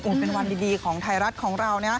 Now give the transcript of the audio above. อุ๋นเป็นวันดีของไทยรัฐของเรา